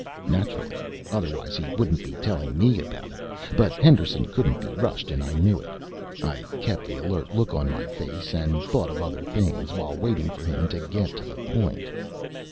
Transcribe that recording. Naturally. Otherwise, he wouldn't be telling me about it. But Henderson couldn't be rushed, and I knew it. I kept the alert look on my face and thought of other things, while waiting for him to get to the point.